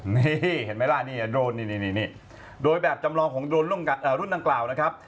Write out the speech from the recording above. นี่เห็นไหมล่ะนี่โดรนนี่โดยแบบจำลองของโดรนรุ่นดังกล่าวนะครับ